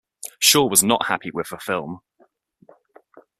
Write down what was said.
Shaw was not happy with the film.